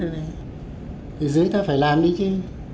thì dưới ta phải làm đi chứ